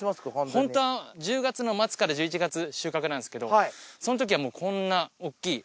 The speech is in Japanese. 本当は１０月の末から１１月収穫なんですけどそのときはもうこんな大きい。